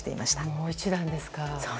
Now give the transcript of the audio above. もう一段ですか。